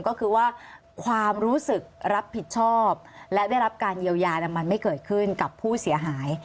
ก็คือว่าความรู้สึกรับผิดชอบและได้รับการเยียวยามันไม่เกิดขึ้นกับผู้เสียหาย